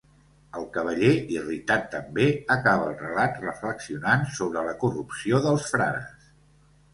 El cavaller, irritat també, acaba el relat reflexionant sobre la corrupció dels frares.